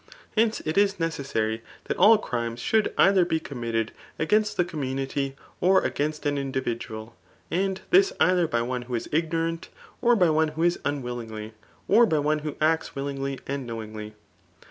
Hence it is necessary that all crimes should either be committed against the com^ munity, or against an individual, and this either by one who is ignorant, or by one who is unwilling, or by one who acts willingly and knowingly.